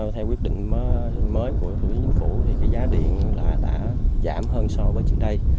theo quyết định mới của thủ tướng chính phủ thì cái giá điện đã giảm hơn so với trước đây